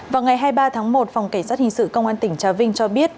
vào ngày hai mươi ba tháng một phòng cảnh sát hình sự công an tỉnh trà vinh cho biết